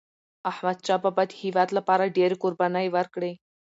احمدشاه بابا د هیواد لپاره ډيري قربانی ورکړي.